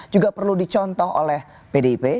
juga perlu dicontoh oleh pdip